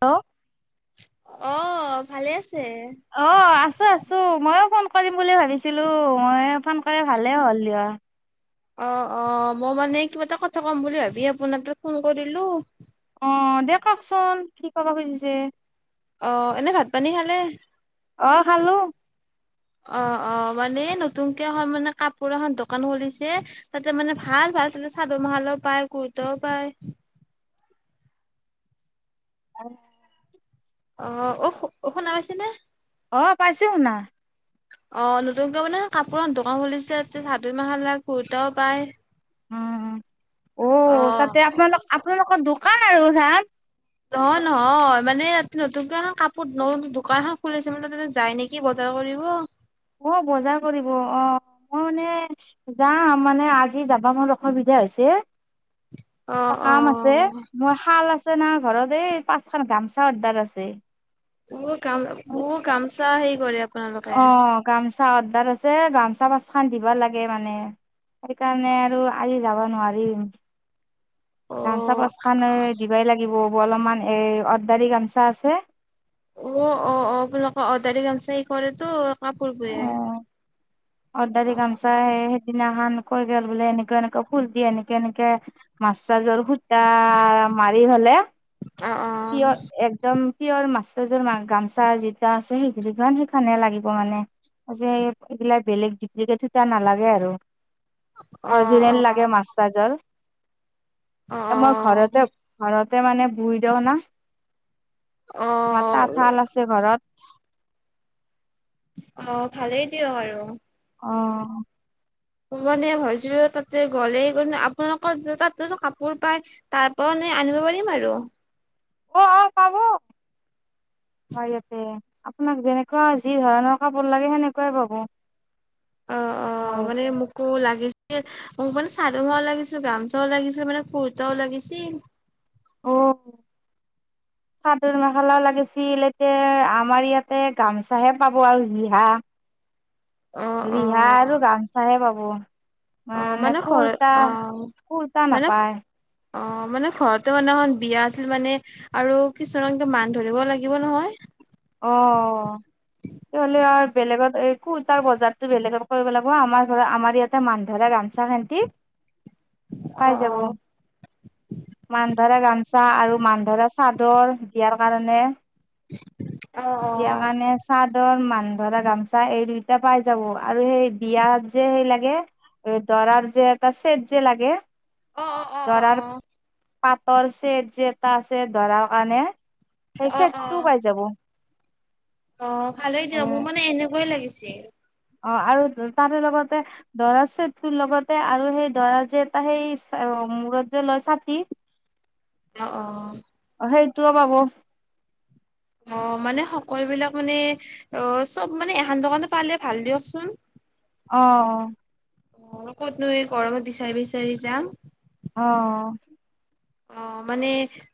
অ অ ভালে আছে। অ আছো, আছো ময়ো ফোন কৰিম বুলি ভাবিছিলো মই ফোন কৰিলি ভালে হ'ল দিয়া। অ অ মই মানে কিবা এটা কথা ক'ম বুলি ভাবি আপোনাক ফোন কৰিলোঁ। অ দে কওক চোন কি কব খুজিছে। অ এনে ভাত পানী খালে। অ খালো অ অ মানে নতুনকে এখন মানে কাপোৰ এখন দোকান খুলিছে তাতে মানে ভাল ভাল চাদৰ মেখেলাও পায় কুৰ্তাও পায়। অ অ উহ শুনা পাইছে নে অ পাইছো শুনা। অ', নতুনকৈ মানে কাপোৰ দোকান খুলিছে চাদৰ মখেলা কুৰ্তাও পায়। উম। অ', তাতে আপোনালোক আপোনালোকৰ দোকান আৰু চান নহয়! নহয়! মানে ইয়াত নতুনকৈ এখন কাপোৰ ন দোকান এখন খুলিছে মানে যায় নেকি কি বজাৰ কৰিব। অ', বজাৰ কৰিব অ', মই মানে যাম মানে আজি যাব মোৰ অসুবিধা হৈছে। অ সকাম আছে অ মোৰ শাল আছে না ঘৰতে পাঁচখনা গামোচা অৰ্ডাৰ আছে। উ, কাম উ, গামোচা হেই কৰে আপোনালোকে অ', গামচা অৰ্ডাৰ আছে। গামোচা পাঁচ খান দিব লাগে মানে সেই কাৰণে আৰু আজি যাব নোৱাৰিম। অ গামোচা পাঁচ খন এ দিবই লাগিব। মোৰ অলপ মান এ অৰ্ডাৰি গামোচা আছে। অ', অ', অ', আপোনালোক অদাৰি গামচা কৰেতো কাপোৰ বয়ে। অৰ্দাৰ অ গামোচা সেইদিনাখনকৈ গল বোলে এনেকুৱা এনেকুৱে ফুল দি এনেকে এনেকে। মাছাজৰ সূতা মাৰি হলে অ পিয় একদম। পিয়ৰ মাছযোৰ গামচা যি আছে সেই য সেইখে লাগিব মানে। [unintelligible] এইবিলাক বেলেগ ডিপ্লিকেট সোতা নালাগে আৰু। অ অ অৰিজিনেল লাগে মাস্তাজৰ। অ এ মই ঘৰতে ঘৰতে মানে বই দওঁ না অ অ আমাৰ তাত শাল আছে ঘৰত। অ', ভালেই দিয়ক আৰু। অ'। মানে ভাবছো তাতে গ'লে আপোনালোকৰ তাতো কাপোৰ পায়। তাৰ পৰা নই আনিব পাৰিম আৰু। অ', অ', পাব [inaudible] আমাৰ ইয়াতে আপোনাক যেনেকুৱা যি ধৰণৰ কাপোৰ লাগে সেনেকুৱাই পাব। অ', আমাৰ অ', মানে ইয়াতে মোক আকৌ লাগিছিল মোক মানে চাদু মাও লাগিছিল গামোচাও লাগিছিল মানে কুৰ্তাও লাগিছিল। অ', [inaudible] চাদৰ মেখেলা লাগিছিল এতিয়া আমাৰ ইয়াতে গামোচাহে পাব আৰু ৰিহা। [inaudible] অ ৰিহা আৰু গামচাহে পাব। অ', মানে খ অ', কুৰ্তা মানে। নাপায় অ', মানে ঘৰতে মানে এখন বিয়া আছিল মানে আৰু কিছু ৰংটো মান ধৰিব লাগিব নহয়। অ তেতি হলে আৰু বেলেগত এই কুৰ্তাৰ বজাৰতো বেলেগত কৰিব লাগিব আমাৰ ঘ আমাৰ ইয়াত এটা মান ধৰা গামছা সেতি [inaudible] পাই যাব মান ধৰা গামচা আৰু মান ধৰা চাদৰ দিয়াৰ কাৰণে অ দিয়াৰ কাৰণে চাদৰ মান ধৰা গামচা এই দুইটা পাই যাব আৰু সেই বিয়াৰ যে সেই লাগে দৰাৰ যে এটা ছেট যে লাগে অ অ অ অ দৰাৰ অ পাটৰ চেট যে এটা আছে দৰাৰ কাৰণে সেই অ অ অ চেটটোও পাই যাব অ ভালেই দিয়ক উম, মোৰ মানে এনেকুৱায়ে লাগিছিল অ আৰু তাৰে লগতে দৰাৰ চেত তোৰ লগতে আৰু সেই দৰা যে ত সেই মূৰত যে লয় ছাতি অ অ অ সেইটোও পাব অ মানে সকলো বিলাক মানে অ চব মানে এখান দোকানতে পালে ভাল দিয়কচোন। অ অ অ মইনো ক'তনো এই গৰমত বিচাৰি বিচাৰি যাম অ অ মানে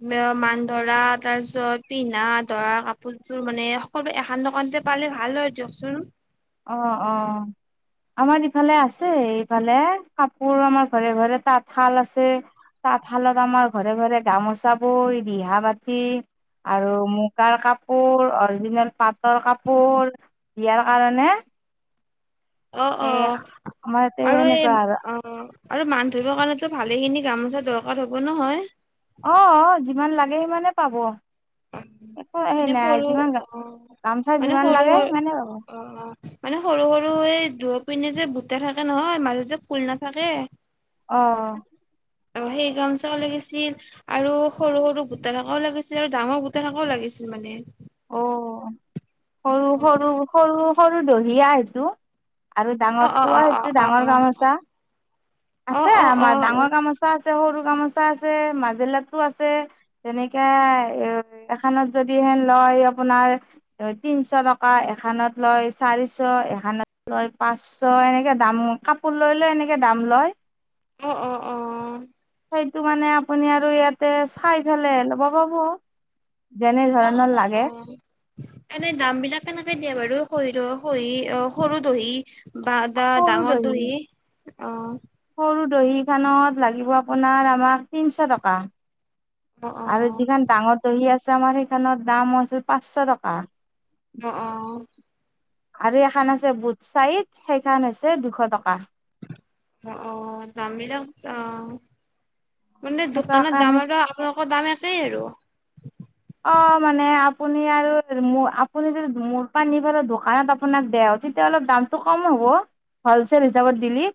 মানে অ মান ধৰা তাৰ পিছত পিন্ধা দৰাৰ কাপোৰযোৰ মানে ক'ৰবাত এখান দোকানতে পালে ভাল হয় দিয়কচোন অ অ আমাৰ ইফালে আছে ইফালে কাপোৰ আমাৰ ঘৰে ঘৰে তাঁতশাল আছে তাঁতশালত আমাৰ ঘৰে ঘৰে গামোচা বই ৰিহা বাতি আৰু মুগাৰ কাপোৰ অৰিজিনেল পাটৰ কাপোৰ বিয়াৰ কাৰণে অ অ সেই আমাৰ ইয়াতে আৰু এই সেনেকুৱা অ অ আৰু মান ধৰিব কাৰণেটো ভালে খিনি গামোচা দৰকাৰ হ'ব নহয় অ যিমান লাগে সিমানে পাব। একো সেই মানে নাই সৰু যিমান অ গামচা মানে যিমান সৰু লাগে অ সিমানে পাব মানে সৰু সৰু এই দয়ো পিনে যে বুটা থাকে নহয় মাজত যে ফুল নাথাকে অ অ অ সেই গামচাও‌ লাগিছিল আৰু সৰু সৰু বুটা থাকাও লাগিছিল, ডাঙৰ বুটা থাকাও লাগিছিল মানে। অ সৰু সৰু অ সৰু সৰু দহিয়া সেইটো। আৰু অ ডাঙৰটো অ অ সেইটো অ ডাঙৰ গামছা অ অ আছে অ অ আমাৰ ডাঙৰ গামোচা আছে, সৰু গামোচা আছে, মাজেলাতো আছে। তেনেকে এ এখানত যদিহে লয় আপোনাৰ তিনশ টকা, এখানত লয় চাৰিশ, এখনত লয় পাঁচ শ এনেকে দাম কাপোৰ লৈ লৈ এনেকে দাম লয়। অ অ অ সেইটো মানে আপুনি আৰু ইয়াতে চাই পেলাই ল'ব পাব। যেনে অ ধৰণৰ অ লাগে অ এনে দাম বিলাক কেনেকে দিয়ে বাৰু শৰিৰ সৰি অ সৰু দহি বা দা ডাঙৰ দহি অ সৰু দহিখনত লাগিব আপোনাৰ আমাক তিনিশ টকা অ অ আৰু যিখন ডাঙৰ দহি আছে আমাৰ সেইখনত দাম হৈছে পাঁচশ টকা। অ অ আৰু এইখন আছে বুড চাইড সেইখন হৈছে দুশ টকা। অ অ দাম বিলাক অ মানে সেনেকুৱাকে দোকানৰ আমি দাম আৰু আপোনালোকৰ দাম একেই আৰু। অ মানে আপুনি আৰু মো আপুনি যদি মোৰ পা নি পেলে দোকানত আপোনাক দেঅ তেতিয়া অলপ দামটো কম হ'ব হলচেল হিচাপত দিলি।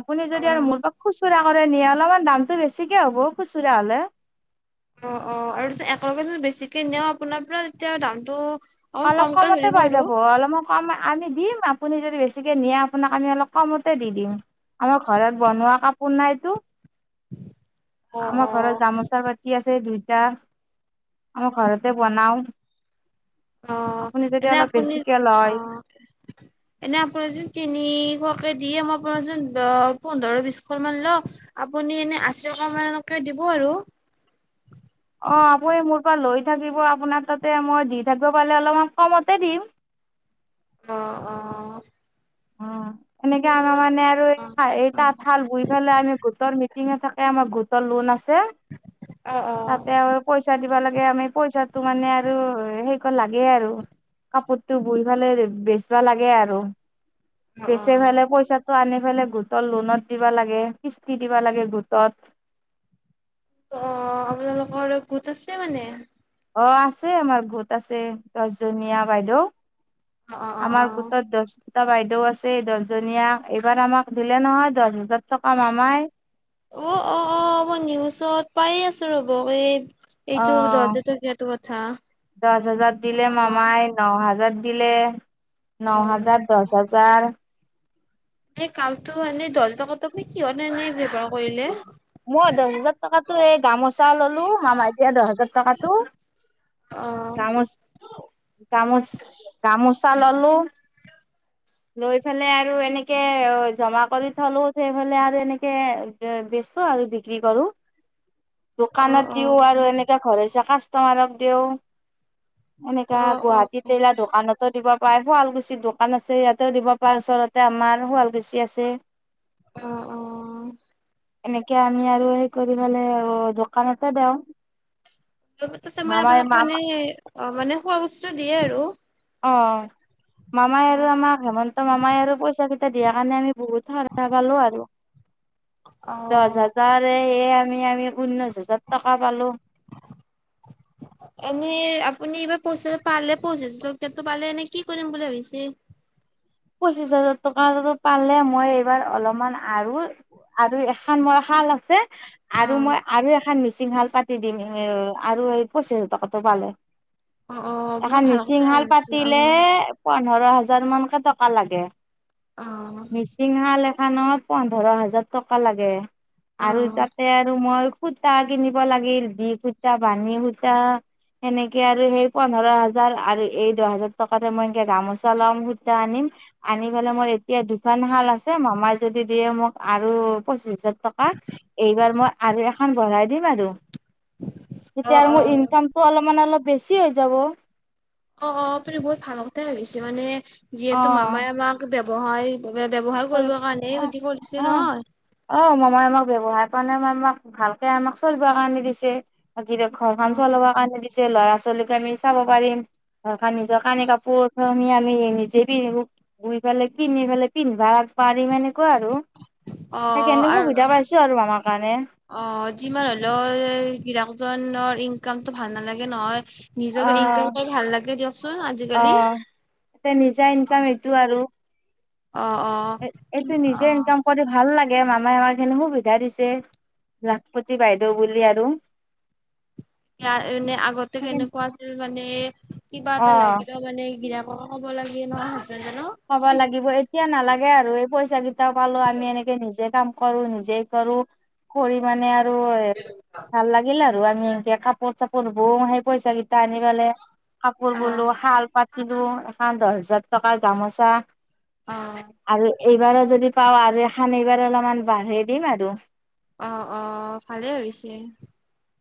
আপুনি অ যদি আৰু মোৰ পৰা খুচুৰা কৰে নিয়ে অলপমান দামটো বেছিকে হ'ব খুচুৰা হ'লে। অ অ আৰু পিছে একেলগে যদি বেছিকে নিও আপোনাৰ পৰা তেতিয়া দামটো অকমান অলপ কমকে কমতে ধৰিব পাই আৰু যাব, অলপমান কম আমি দিম, আপুনি যদি বেছিকে নিয়ে আপোনাক আমি অলপ কমতে দি দিম। আমাৰ ঘৰত বনোৱা কাপোৰ না এইটো! অ আমাৰ অ ঘৰত গামোচাৰ পাতি আছে দুইটা, আমাৰ ঘৰতে বনাও। অহ আপুনি যদি এনে অলপ আপুনি বেছিকে লয় অহ। এনে আপোনাৰ যোন তিনিশকে দিয়ে মই আপোনাক চোন দ পোন্ধৰ বিশখন মান ল আপুনি এনে আশী টকা মানকে দিব আৰু। অঁ আপুনি মোৰ পৰা লৈ থাকিব আপোনাক তাতে মই দি থাকিব পালে অলপমান কমতে দিম। অঁ অঁ। অ এনেকে আমাৰ মানে আৰু এই অ হাই তাঁতশাল বুই পেলাই আমি গোটৰ মিটিঙে থাকে আমাৰ গোটৰ লোন আছে। অ অ অ তাতে আৰু পইচা দিবা লাগে আমি পইচাটো মানে আৰু হে লাগে আৰু কাপোৰটো বই পেলাই বেচবা লাগে আৰু। অ বেচি ফালে পইচাটো আনি ফেলে গোটত লনত দিব লাগে, কিস্তি দিবা লাগে গোটত। ক আপোনালোকৰ গোট আছে মানে? অ আছে আমাৰ গোট আছে, দছজনীয়া বাইদেউ। অ অ অ অ আমাৰ গোটত দছ টা বাইদেউ আছে দহজনীয়া, এইবাৰ আমাক দিলে নহয় দছ হাজাৰ টকা মামাই। অ অ অ মই নিউজত পায়ে আছো ৰব এই এইটো দহ অ', জ টকীয়াটো কথা দহ হাজাৰ দিলে অঁ। মামাই ন হাজাৰ দিলে, ন হাজাৰ দছ হাজাৰ। এই কামটো এনে দহ হাজাৰ টকাটো তুমি কিহত কাৰণে ব্যৱহাৰ কৰিলে? মই দছ হাজাৰ টকাটো এই গামোচা ললো মামাই দিয়া দহ হাজাৰ টকাটো। অহ। গামোচ গামোচা ললো। লৈ ফেলাই আৰু এনেকে জমা কৰি থলো, সেইফালে আৰু এনেকে এ বেচো আৰু বিক্ৰী কৰো, অ দোকানত দিও আৰু অ এনে এতিয়া ঘৰছিয়া কাষ্টমাৰক দিও, অ', এনেকা অ', গুৱাহাটী টেইলা দোকানত দিব পাৰ, শুৱালকুছিৰ দোকান আছে ইয়াতেও দিব পাৰ ওচৰতে আমাৰ শুৱালকুছি আছে। অঁ অহ। এনেকে আমি আৰু সেই কৰি পালে অ দোকানতে দেওঁ। [unintelligible] তে মানে মামাই আপোনাক মানে মামা অ মানে শুৱালকুছিটো দিয়ে আৰু। অ। মামাই আৰু আমাক হেমন্ত মামাই আৰু পইচা কেইটা দিয়া কাৰণে আমি বহুত সাৰা পালো আৰু। [unintelligible] দহ হাজাৰ তাৰে এই আমি আমি ঊনৈশ হাজাৰ টকা পালো। এনেই আপুনি এইবাৰ পইচা পালে পঁচিশ টকাটো পালে এনে কি কৰিম বুলি ভাবিছে? পঁচিশ হাজাৰ টকাটো পালে মই এইবাৰ অলপমান আৰু আৰু এখান মোৰ শাল আছে আৰু অ', মই আৰু এখন মিচিং শাল পাতি দিম এ আৰু এই পঁচিছ হাজাৰ টকাটো পালে। অ অ বহুত এখন ভাল মিচিং কথা শাল হৈছে অহ। পাতিলে পোন্ধৰ হাজাৰ মানকে টকা লাগে, অ', মিচিং শাল এখনত পোন্ধৰ হাজাৰ টকা লাগে অ'। আৰু তাত তে আৰু মই সূতা কিনিব লাগিল দি সূতা ভানী সূতা সেনেকে আৰু সেই পোন্ধৰ হাজাৰ আৰু এই দহ হাজাৰ টকাৰে মই এনেকে গামোচা লম সূ্তা আনিম। আনি পেলাই মোৰ এতিয়া দুখন শাল আছে, মামাই যদি দিয়ে মোক আৰু পঁচিছ হাজাৰ টকা এইবাৰ মই আৰু এখন বঢ়াই দিম আৰু। অ', তেতিয়া অ', আৰু মোৰ ইনকামতটো অলপমান অলপ বেছি হৈ যাব। অ', অ' আপুনি বহুত ভাল কথাই ভাবিছে মানে, যিহেতু অ'। মামাই আমাক ব্যৱসায় ব্যৱসায় কৰি কৰিবৰ কাৰণে এই অ গতি কৰিছে অ নহয়। অ' মামাই আমাক আমাক ভালকে আমাক চলিবৰ কাৰণে দিছে। ধিৰে ঘৰখন অ', চলাব কাৰণে দিছে, ল'ৰা ছোৱালীকে আমি চাব পাৰিম। [unintelligible] ভাট পাৰিম এনেকুৱা আৰু এই অ', খিনি আৰু সুবিধা পাইছো আৰু মমাৰ কাৰণে। অ' যিমান হ'লেও গিৰিয়েক জনৰ ইনকামটো ভাল নালাগে নহয়। অ নিজকে ইনকম কৰি ভাল লাগে দিয়কচোন আজিকালি। টো আৰু অ', অ'। এ কি এইটো নিজে অ', ইনকাম কৰি ভাল লাগে মামাই মামাই আমাক সেইখিনি সুবিধা দিছে, লাখপতি বাইদেউ বুলি আৰু। আ, এনেই আগতে কেনেকুৱা আছিল মানে, কিবা এটা অ লাগিলেও মানে গিৰিয়েকক হ'ব লাগে [inaudible] ক'ব লাগিব, এতিয়া নালাগে আৰু এই পইচা কিটাও পালো আমি এনেকে নিজে কাম কৰো নিজে কৰো। কৰি মানে আৰু এ ভাল লাগিল আৰু, আমি এতিয়া কাপোৰ চাপোৰ বওঁ সেই কেই টা আনিবলে, কাপোৰ ব'লো অ', শাল পাতিলো এখন দহ হাজাৰ টকাৰ গামোচা অ'। আৰু এইবাৰো যদি পাওঁ আৰু এখন এইবাৰ অলপমান বাঢ়ে দিম আৰু। অ', অ' ভালেই হৈছে।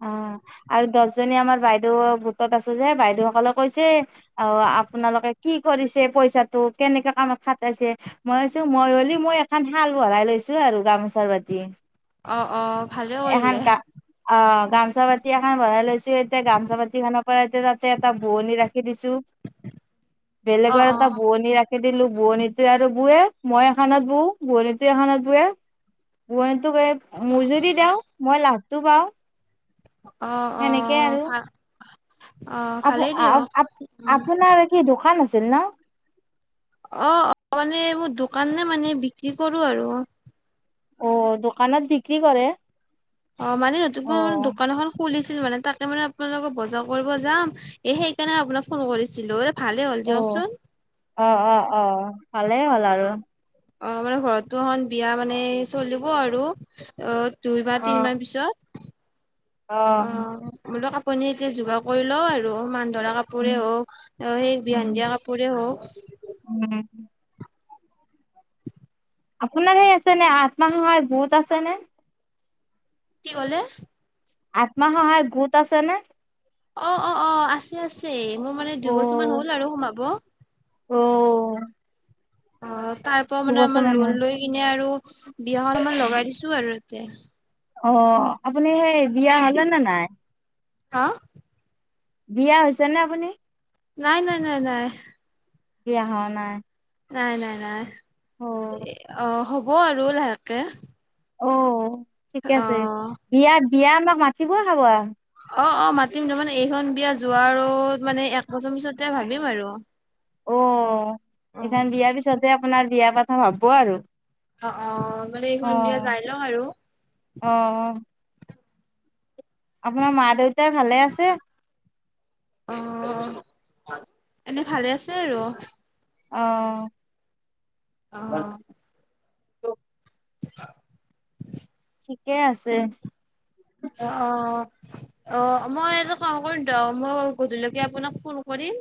অ' আৰু দহজনী আমাৰ বাইদেউ গোটত আছে যে বাইদেউসকলে কৈছে। আহ আপোনালোকে কি কৰিছে পইচাটো কেনেকে কামত খাটাইছে। মই কৈছো মই হ'লি মই এখন শাল বহাই লৈছো আৰু গামোচা বাতি। অ', অ' ভালে কৰিলে। এখন গা অ' গামোচা বাতি এখন বহাই লৈছো এতিয়া, গামোচা বাতি খনৰপা তাতে এটা বোৱনী ৰাখি দিছো। [unintelligible] অ', বেলেগৰ এটা অ'। বোৱনী ৰাখি দিলো, বোৱনীটোৱে আৰু বুৱে মই এখনত বৌ বোৱনীটো এখনত বুৱে। বোৱনী তোক এই মজুৰি দেও মই লাভটো পাওঁ। অ', অ' ফা আপো আ আপ অ', আপোনাৰ কি দোকান আছিল ন? অঁ, অঁ মানে মোৰ দোকানে মানে বিক্ৰী কৰোঁ আৰু অ'। অ' দোকানত বিক্ৰী কৰে। অ' মানে নতুনকে মোৰ অ' দোকান এখন খুলিছিল মানে, তাকে মানে আপোনাৰ লগত বজাৰ কৰিব যাম। এ সেইকাৰণে আপোনাক ফোন কৰিছিলো। এ ভালেই হ'ল অ' দিয়কচোন। অ', অ', অ'। ভালেই আৰু। অ' মানে ঘৰতো এখন বিয়া মানে চলিব আৰু, অ' দুই বা অ' তিনমাহ পিছত অ'। ব'লক আপুনি এতিয়া যোগাৰ কৰি লওঁ আৰু মান ধৰা কাপ কাপোৰে হওঁক, অ' সেই বিহান দিয়া কাপোৰে হওঁক। উম। আপোনাৰ হে আছে নে, আত্মসহায় গোট আছেনে? কি ক'লে? আত্ম সহায় গোট আছেনে? অঁ অঁ, আছে আছে। মোৰ মানে দুইবছৰান অ' হল আৰু সোমাব। অ' অঁ তাৰ ত' মানে দুবছৰ আমাৰ মান হ'ল লোন লৈ কিনে আৰু, বিয়াখনত লগাই দিছো আৰু ইয়াতে। অঁ আপুনি সেই, বিয়া হলে নে নাই? হা? বিয়া হৈছেনে আপুনি? নাই নাই নাই নাই। বিয়া হোৱা নাই। নাই নাই নাই, অ' অঁ হ'ব আৰু লাহেকে। অঁ, ঠিকে অ আছে, বিয়া বিয়া আমাক মাতিব খাব আৰু। অঁ অঁ, মাতিম তাৰমানে এইখন বিয়া যোৱাৰ আৰু মানে এক বছৰ পিছতে ভাবিম আৰু। অ, অ এইখন বিয়াৰ পিছতে আপোনাৰ বিয়াৰ কথা, ভাবব আৰু। অঁ অঁ, মানে এইখন বিয়া যাই লওঁক আৰু। অ। আপোনাৰ মা দেউতাই ভালে আছে? অঁ, এনেই ভালে আছে আৰু। অঁ। অঁ। [inaudible] ঠিকে আছে। অ অ। অ, মই এটা কাম কৰিম তো, মই গধূলিকে আপোনাক ফোন কৰিম।